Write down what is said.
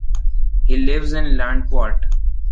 He lives in Landquart.